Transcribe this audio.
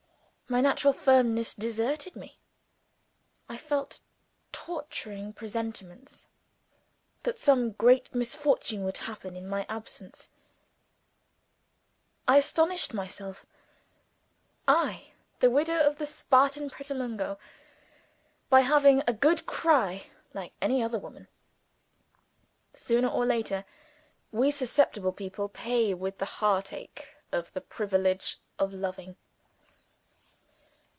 My natural firmness deserted me; I felt torturing presentiments that some great misfortune would happen in my absence; I astonished myself I, the widow of the Spartan Pratolungo! by having a good cry, like any other woman. Sooner or later, we susceptible people pay with the heartache for the privilege of loving.